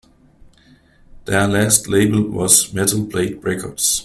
Their last label was Metal Blade Records.